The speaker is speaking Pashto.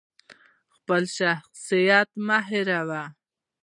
خپل شخصیت مه هیروه!